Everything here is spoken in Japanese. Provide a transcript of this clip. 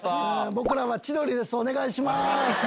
僕らは千鳥ですお願いします